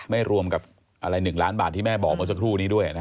ไม่รวมกับอะไร๑ล้านบาทที่แม่บอกเมื่อสักครู่นี้ด้วย